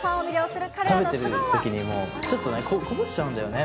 食べるときにちょっとこぼしちゃうんだよね。